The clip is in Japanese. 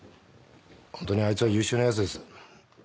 ホントにあいつは優秀なやつです。